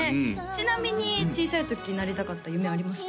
ちなみに小さい時なりたかった夢ありますか？